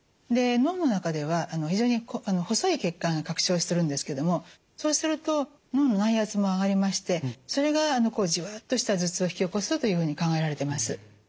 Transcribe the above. で脳の中では非常に細い血管が拡張するんですけどもそうすると脳の内圧も上がりましてそれがじわーっとした頭痛を引き起こすというふうに考えられてます。